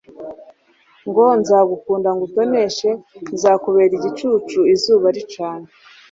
Ngo: “Nzagukunda ngutoneshe, nzakubera igicucu izuba ricanye,